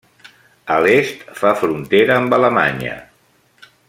A l'est fa frontera amb Alemanya.